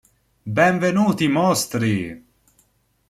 Benvenuti mostri!